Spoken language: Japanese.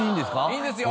いいんですよ。